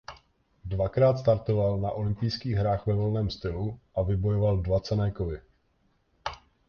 Dvakrát startoval na olympijských hrách ve volném stylu a vybojoval dva cenné kovy.